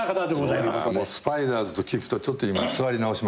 もうスパイダースと聞くとちょっと今座り直しました。